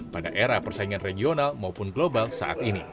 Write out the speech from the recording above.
pada era persaingan regional maupun global saat ini